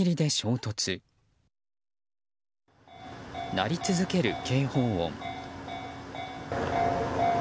鳴り続ける警報音。